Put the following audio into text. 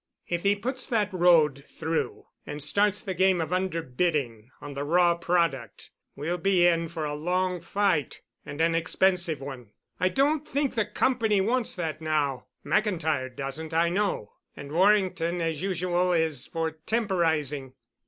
If he puts that road through and starts the game of underbidding on the raw product, we'll be in for a long fight—and an expensive one. I don't think the Company wants that now. McIntyre doesn't, I know. And Warrington, as usual, is for temporizing."